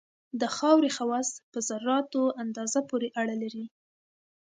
د خاورې خواص په ذراتو اندازه پورې اړه لري